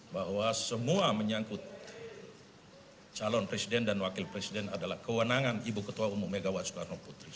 bahwa semua menyangkut calon presiden dan wakil presiden adalah kewenangan ibu ketua umum megawati soekarno putri